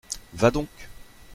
Va donc !